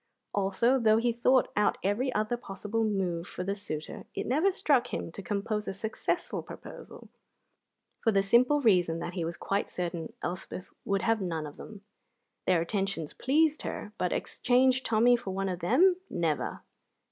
Also, though he thought out every other possible move for the suitor, it never struck him to compose a successful proposal, for the simple reason that he was quite certain Elspeth would have none of them. Their attentions pleased her; but exchange Tommy for one of them never!